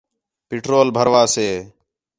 پٹرول بھروا سے